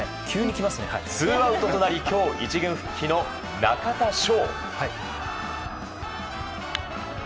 ツーアウトとなり今日１軍復帰の中田翔。